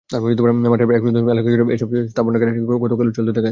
মাঠের প্রায় এক-চতুর্থাংশ এলাকাজুড়ে চলা এসব স্থাপনার নির্মাণকাজ গতকালও চলতে দেখা গেছে।